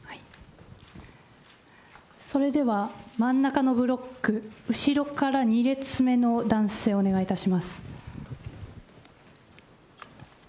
それでは真ん中のブロック、後ろから２列目の男性、お願いいたします。